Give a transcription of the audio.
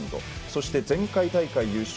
そして前回大会優勝